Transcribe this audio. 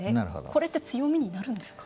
これって強みになるんですか？